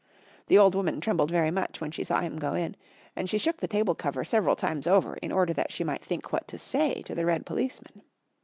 The old woman trembled very much when she saw him go in, and she shook the table cover several times over in order that she might think what to say to the red policeman.